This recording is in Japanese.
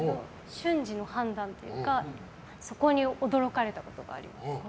瞬時の判断というかそこに驚かれたことがあります。